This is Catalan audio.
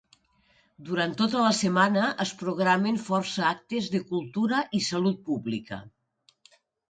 Durant tota la setmana es programen força actes de cultura i salut pública.